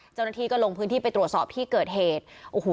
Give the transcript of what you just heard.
เจ้าหน้าที่ก็ลงพื้นที่ไปตรวจสอบที่เกิดเหตุโอ้โห